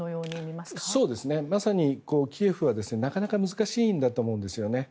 まさにキーウは、なかなか難しいんだと思いますね。